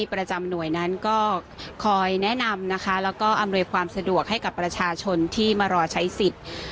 ประจำหน่วยนั้นก็คอยแนะนำนะคะแล้วก็อำนวยความสะดวกให้กับประชาชนที่มารอใช้สิทธิ์